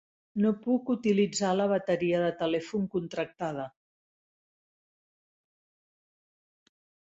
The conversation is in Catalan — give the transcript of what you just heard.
No puc utilitzar la bateria de telèfon contractada.